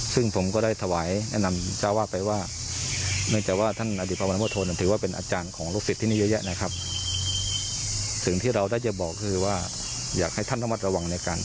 ซึ่งผมก็ได้ถวายแนะนำจ้าวาทไปว่า